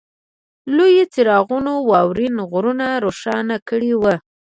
لویو څراغونو واورین غرونه روښانه کړي وو